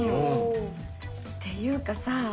ていうかさ